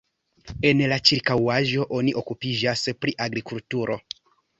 En la ĉirkaŭaĵo oni okupiĝas pri agrikulturo.